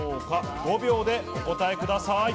５秒でお答えください。